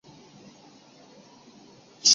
龙胆木为大戟科龙胆木属下的一个种。